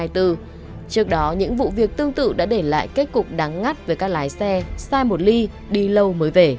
trước đó những vụ việc tương tự đã để lại kết cục đáng ngắt với các lái xe sai một ly đi lâu mới về